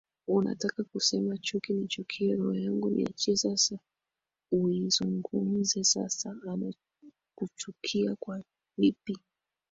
unataka kusema chuki nichukie roho yangu niachie sasa uizungumze sasa anakuchukia kwa vipi